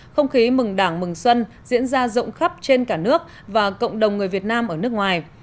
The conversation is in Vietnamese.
không khí mừng đảng mừng xuân diễn ra rộng khắp trên cả nước và cộng đồng người việt nam ở nước ngoài